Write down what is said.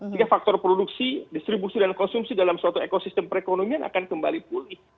sehingga faktor produksi distribusi dan konsumsi dalam suatu ekosistem perekonomian akan kembali pulih